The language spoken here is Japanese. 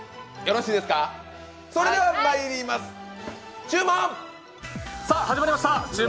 それではまいります、注文！